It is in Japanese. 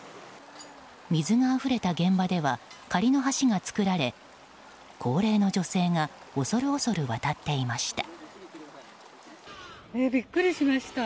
水があふれた現場では仮の橋が作られ高齢の女性が恐る恐る渡っていました。